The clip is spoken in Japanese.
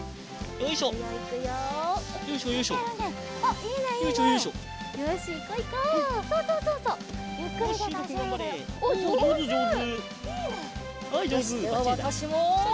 よしではわたしも。